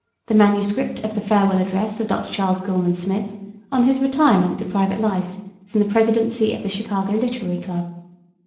The manuscript of the farewell address of Dr. Charles Gilman Smith, on his retirement to private life from the presidency of the Chicago Literary Club; 2.